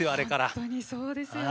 本当にそうですよね。